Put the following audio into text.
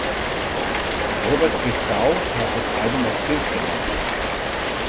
Robert Christgau tat das Album als „Blindgänger“ ab.